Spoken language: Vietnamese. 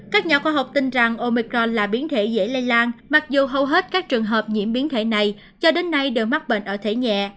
các nhà khoa học tin rằng omicron là biến thể dễ lây lan mặc dù hầu hết các trường hợp nhiễm biến thể này cho đến nay đều mắc bệnh ở thể nhẹ